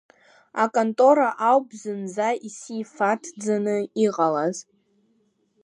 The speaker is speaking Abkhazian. Аконтора ауп зынӡа исифаҭӡаны иҟалаз.